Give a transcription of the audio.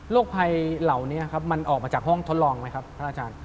ภัยเหล่านี้ครับมันออกมาจากห้องทดลองไหมครับพระอาจารย์